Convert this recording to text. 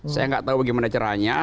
saya nggak tahu bagaimana caranya